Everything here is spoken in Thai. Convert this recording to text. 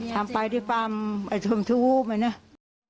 ทำไปที่ความชมทุบอ่ะเนี่ย